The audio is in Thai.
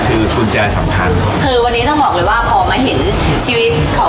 ภูมิใจอะไรบ้างค่ะ